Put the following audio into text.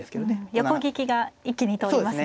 横利きが一気に通りますね。